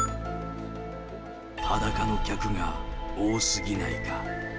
裸の客が多すぎないか。